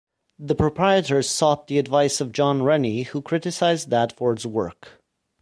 The Proprietors sought the advice of John Rennie, who criticised Dadford's work.